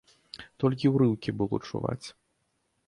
Толькі ўрыўкі было чуваць.